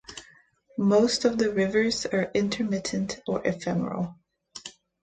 Most of the rivers are intermittent (or ephemeral).